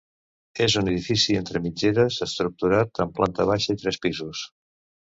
És un edifici entre mitgeres estructurat en planta baixa i tres pisos.